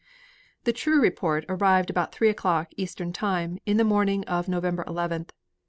The true report arrived about three o'clock, Eastern time, in the morning of November 11th.